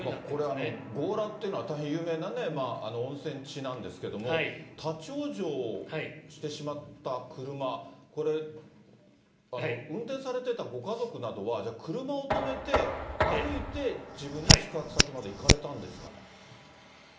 これ、強羅っていうのは大変有名な温泉地なんですけども、立往生してしまった車、これ、運転されてたご家族などは、じゃあ車を止めて、歩いて自分の宿泊先まで行かれたんですかね？